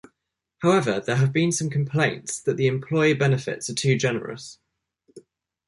However, there have been some complaints that the employee benefits are too generous.